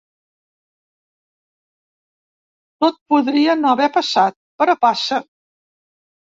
Tot podria no haver passat, però passa.